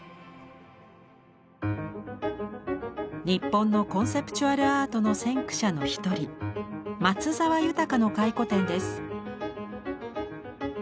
日本のコンセプチュアル・アートの先駆者の一人松澤宥の回顧展です。